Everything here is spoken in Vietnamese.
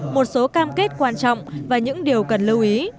một số cam kết quan trọng và những điều cần lưu ý